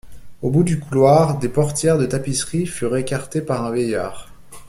Au bout du couloir, des portières de tapisseries furent écartées par un vieillard.